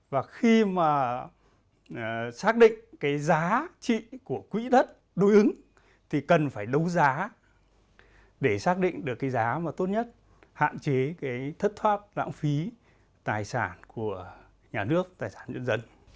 và khi mà xác định cái giá trị của quỹ đất đối ứng thì cần phải đấu giá để xác định được cái giá mà tốt nhất hạn chế cái thất thoát lãng phí tài sản của nhà nước tài sản nhân dân